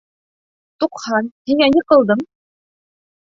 Туҡһан, һиңә ни ҡылдым?